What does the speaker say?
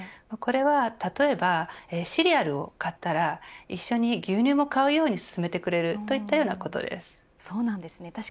これは例えばシリアルを買ったら一緒に牛乳も買うようにすすめてくれるといったようなことです。